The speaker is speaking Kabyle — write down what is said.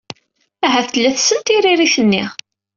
Ahat tella tessen tiririt-nni.